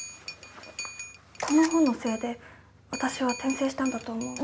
この本のせいで私は転生したんだと思う。